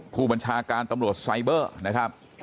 ผู้บัญชาการตำรวจไซเบอร์นะครับ